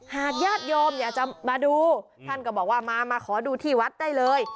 ญาติโยมอยากจะมาดูท่านก็บอกว่ามามาขอดูที่วัดได้เลย